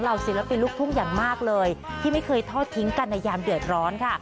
ศิลปินลูกทุ่งอย่างมากเลยที่ไม่เคยทอดทิ้งกันในยามเดือดร้อนค่ะ